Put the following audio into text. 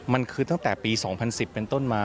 มันคือตั้งแต่ปี๒๐๑๐เป็นต้นมา